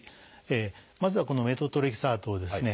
まずはこのメトトレキサートをですね